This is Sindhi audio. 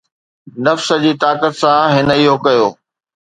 نفس جي طاقت سان، هن اهو ڪيو